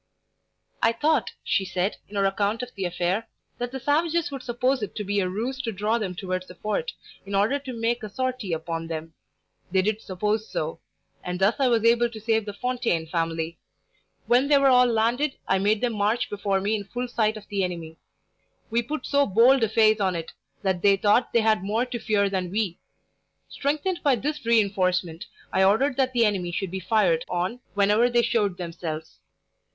"I thought," she said, in her account of the affair, "that the savages would suppose it to be a ruse to draw them towards the fort, in order to make a sortie upon them. They did suppose so; and thus I was able to save the Fontaine family. When they were all landed, I made them march before me in full sight of the enemy. We put so bold a face on it, that they thought they had more to fear than we. Strengthened by this reinforcement, I ordered that the enemy should be fired on whenever they showed themselves.